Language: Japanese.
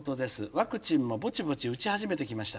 ワクチンもぼちぼち打ち始めてきました。